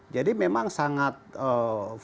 jadi memang sangat variatif